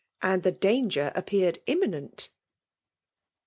And the danger appeared imminent.